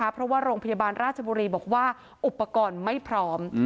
เพราะว่าโรงพยาบาลราชบุรีบอกว่าอุปกรณ์ไม่พร้อม